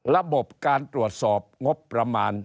ระบบการตรวจสอบงบประมาณ